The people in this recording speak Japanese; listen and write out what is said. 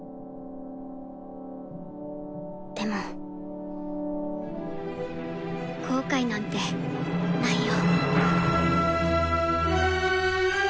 でも後悔なんてないよ。